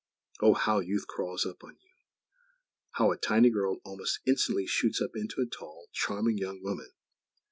Oh, how Youth crawls up on you! How a tiny girl "almost instantly" shoots up into a tall, charming young woman!